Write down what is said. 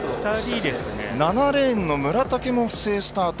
７レーンの村竹も不正スタート。